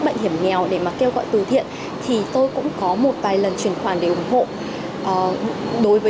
bệnh hiểm nghèo để mà kêu gọi từ thiện thì tôi cũng có một vài lần truyền khoản để ủng hộ đối với